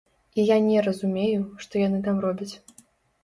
І я не разумею, што яны там робяць.